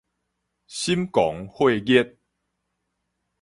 心狂火熱